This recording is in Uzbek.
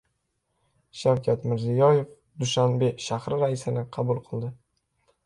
Shavkat Mirziyoyev Dushanbe shahri raisini qabul qildi